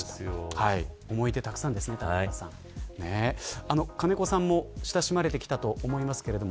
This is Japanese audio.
思い出たくさんですね谷原さん。金子さんも親しまれてきたと思いますけども。